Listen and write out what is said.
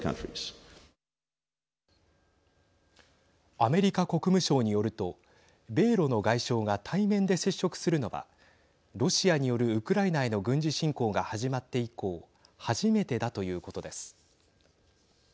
アメリカ国務省によると米ロの外相が対面で接触するのはロシアによるウクライナへの軍事侵攻が始まって以降初めてだということです。